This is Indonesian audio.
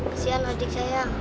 kesian adik saya